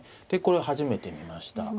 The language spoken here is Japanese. でこれ初めて見ました。